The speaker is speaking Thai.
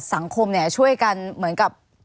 สังคมเนี่ยช่วยกันเหมือนกับ